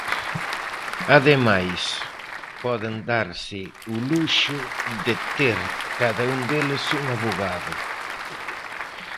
Ademais, poden darse o luxo de ter cada un deles un avogado.